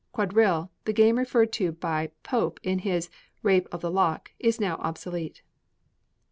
Quadrille, the game referred to by Pope in his "Rape of the Lock," is now obsolete.